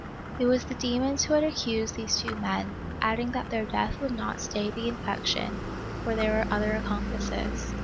It was the demons who had accused 'these two men, adding that their death would not stay the infection, for • there were other accomplices.